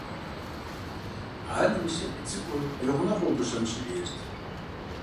Анэм и сабий цӀыкӀур и гъунэгъуу гущэм щыжейрт.